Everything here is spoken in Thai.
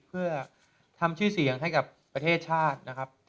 เพื่อทำชื่อเสียงให้กับประเทศชาตินะครับ